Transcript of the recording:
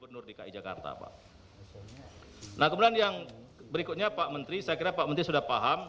nah kemudian yang berikutnya pak menteri saya kira pak menteri sudah paham